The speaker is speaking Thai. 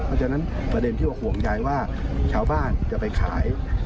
เพราะฉะนั้นประเด็นที่ว่าห่วงใยว่าชาวบ้านจะไปขาย